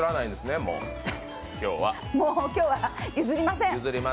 もう、今日は譲りません！